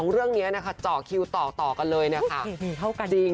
เพราะว่าจริงแล้วยานี่